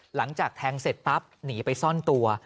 หลังจากแทงเสร็จปั๊บหนีไปซ่อนตัว